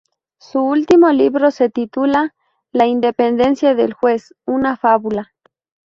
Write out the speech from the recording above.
Su último libro se titula: "La independencia del juez ¿una fábula?.